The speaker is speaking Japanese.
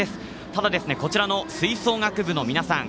ただ、こちらの吹奏楽部の皆さん